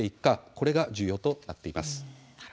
これが重要になっています。